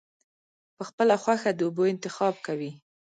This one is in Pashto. پۀ خپله خوښه د اوبو انتخاب کوي -